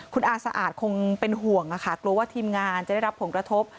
คุณอาสะอาดคงเป็นห่วงค่ะกลัวว่าทีมงานจะได้รับผลกระทบ